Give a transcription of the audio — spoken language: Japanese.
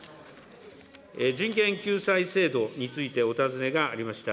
人権救済制度についてお尋ねがありました。